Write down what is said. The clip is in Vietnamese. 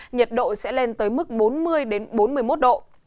nhiệt độ sẽ lên tới mức bốn mươi bốn mươi một độ